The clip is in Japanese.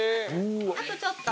あとちょっと。